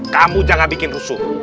kamu jangan bikin rusuh